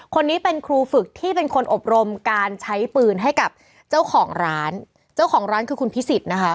คนนี้เป็นครูฝึกที่เป็นคนอบรมการใช้ปืนให้กับเจ้าของร้านเจ้าของร้านคือคุณพิสิทธิ์นะคะ